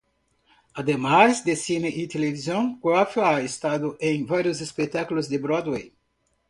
Además de cine y televisión, Graff ha estado en varios espectáculos de Broadway.